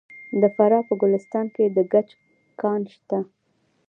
د فراه په ګلستان کې د ګچ کان شته.